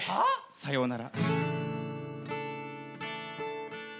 「さようなら」